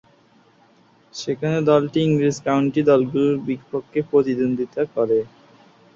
সেখানে দলটি ইংরেজ কাউন্টি দলগুলোর বিপক্ষে প্রতিদ্বন্দ্বিতা করে।